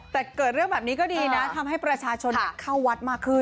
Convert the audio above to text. แต่เกิดเรื่องแบบนี้ก็ดีนะทำให้ประชาชนเข้าวัดมากขึ้น